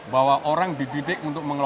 bahwa orang dididik untuk